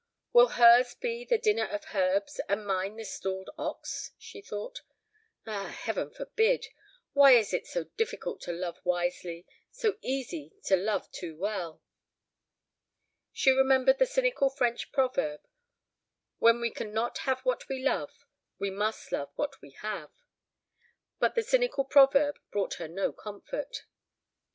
"Will hers be the dinner of herbs, and mine the stalled ox?" she thought. "Ah, Heaven forbid! Why is it so difficult to love wisely, so easy to love too well?" She remembered the cynical French proverb, "When we can not have what we love, we must love what we have." But the cynical proverb brought her no comfort.